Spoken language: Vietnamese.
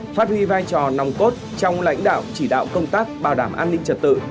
phát huy vai trò nòng cốt trong lãnh đạo chỉ đạo công tác bảo đảm an ninh trật tự